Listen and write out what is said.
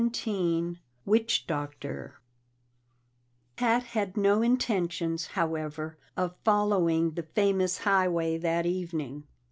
17 Witch Doctor Pat had no intentions, however, of following the famous highway that evening.